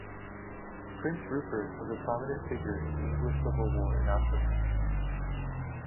Prince Rupert was a prominent figure in the English Civil War and afterwards.